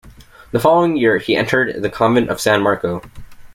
The following year he entered the convent of San Marco.